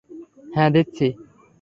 হ্যাঁ, দিচ্ছি!